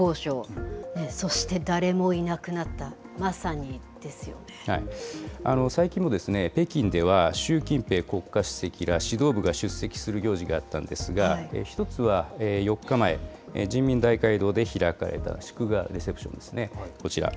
外相、ロケット軍のトップ、そして国防相、そして誰もいなく最近も北京では、習近平国家主席ら指導部が出席する行事があったんですが、一つは４日前、人民大会堂で開かれた祝賀レセプションですね。